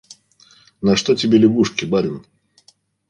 На что тебе лягушки, барин?